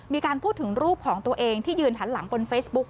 มีการพูดถึงรูปของตัวเองที่ยืนหันหลังบนเฟซบุ๊ก